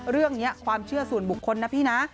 เรื่องนี้ความเชื่อส่วนบุคคลนะพี่นะ